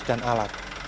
petugas dan alat